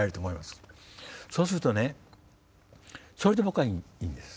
そうするとねそれで僕はいいんです。